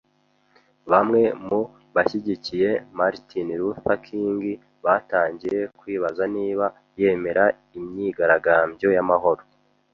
Bamwe mu bashyigikiye Martin Luther King batangiye kwibaza niba yemera imyigaragambyo y'amahoro.